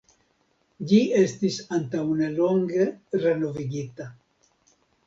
Ĝi estis antaŭnelonge renovigita.